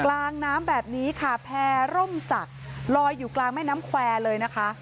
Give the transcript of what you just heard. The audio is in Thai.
กลางน้ำแบบนี้ค่ะแพร่ร่มศักดิ์ลอยอยู่กลางแม่น้ำแควร์เลยนะคะ